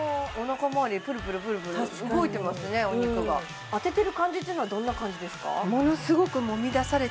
確かにうん動いてますねお肉が当ててる感じっていうのはどんな感じですか？